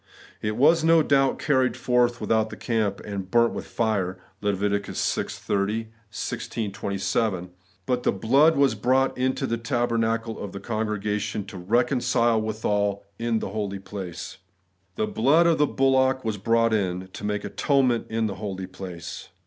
It was no doubt carried forth without the camp, and burnt with fire (Lev. vi. 30, xvi. 27) ; but ' the blood was brought into the tabernacle of the congregation, to reconcile withal in the holy place.' ' The blood of the bullock was brought in, to make atonement in the holy place.'